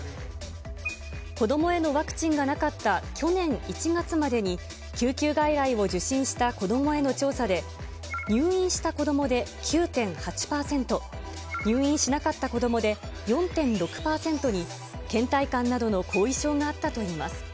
子どもへのワクチンがなかった去年１月までに、救急外来を受診した子どもへの調査で、入院した子どもで９．８％、入院しなかった子どもで４．６％に、けん怠感などの後遺症があったといいます。